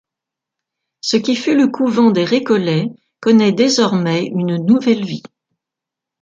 Ce qui fut le couvent des Récollets connaît désormais une nouvelle vie.